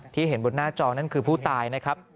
เห็นบนหน้าจอนั่นคือผู้ตายนะครับ